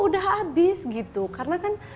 udah habis gitu karena kan